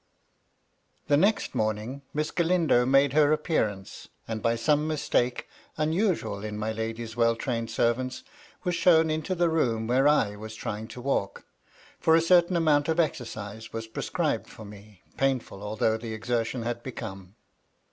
The next morning, Miss Galindo made her appear ance, and, by some mistake, unusual in my lady's well trained servants, was shown into the room where I was trying to walk ; for a certain amount of exercise was prescribed for me, painful although the exertion had become.